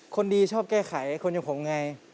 คนดีชอบแก้ไขคนอย่างผมไง